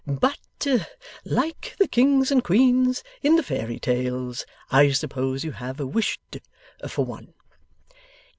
'But, like the Kings and Queens in the Fairy Tales, I suppose you have wished for one?